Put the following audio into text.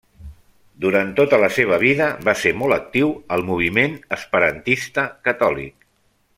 Durant tota la seva vida va ser molt actiu al moviment esperantista catòlic.